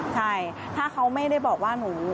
ใช่ถ้าเขาไม่ได้บอกว่าหนู